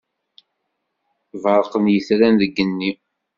Berrqen yitran deg igenni.